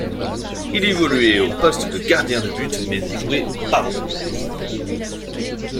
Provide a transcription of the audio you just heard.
Il évoluait au poste de gardien de but mais ne jouait pas beaucoup.